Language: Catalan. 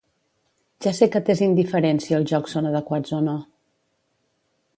Ja sé que t'és indiferent si els jocs són adequats o no.